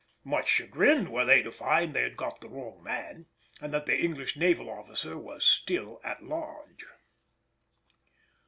Much chagrined were they to find they had got the wrong man, and that the English naval officer was still at large.